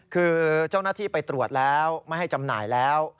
คือเจ้าหน้าที่ไปตรวจแล้วไม่ให้จำหน่ายแล้ว